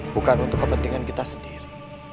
bukan untuk kepentingan kita sendiri